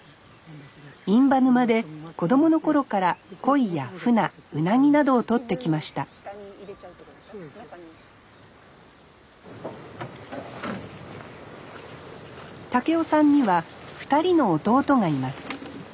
印旛沼で子供の頃からコイやフナウナギなどをとってきました孟夫さんには２人の弟がいます。